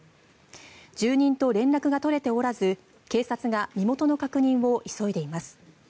住人と連絡が取れておらず警察が身元の確認を急いでいます。